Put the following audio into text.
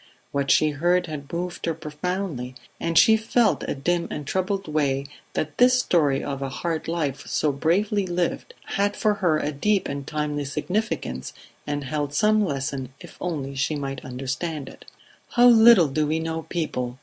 What she heard had moved her profoundly, and she felt in a dim and troubled way that this story of a hard life so bravely lived had for her a deep and timely significance and held some lesson if only she might understand it. "How little do we know people!"